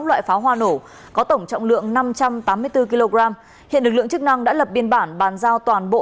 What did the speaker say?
sáu loại pháo hoa nổ có tổng trọng lượng năm trăm tám mươi bốn kg hiện lực lượng chức năng đã lập biên bản bàn giao toàn bộ